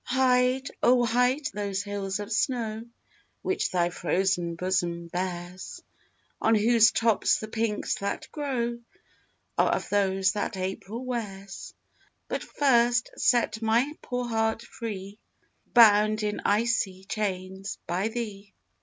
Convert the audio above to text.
Hide, O, hide those hills of snow, Which thy frozen bosom bears, On whose tops the pinks that grow Are of those that April wears; But first set my poor heart free, Bound in icy chains by thee.